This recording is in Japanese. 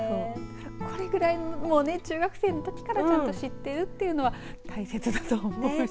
これぐらい、もうね中学生の時からちゃんと知ってるというのは大切だと思うし。